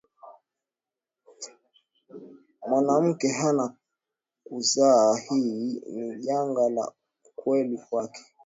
mwanamke hana kuzaa hii ni janga la kweli kwake